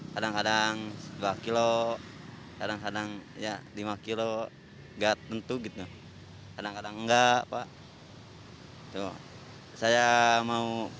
kadang kadang dua kilo kadang kadang ya lima kilo nggak tentu gitu kadang kadang enggak pak tuh saya mau